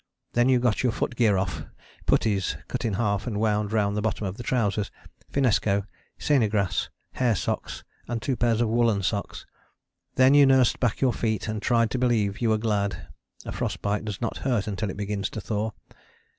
Then you got your foot gear off puttees (cut in half and wound round the bottom of the trousers), finnesko, saennegrass, hair socks, and two pairs of woollen socks. Then you nursed back your feet and tried to believe you were glad a frost bite does not hurt until it begins to thaw.